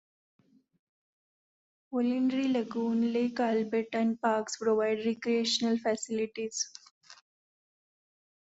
Wollundry Lagoon, Lake Albert and parks provide recreational facilities.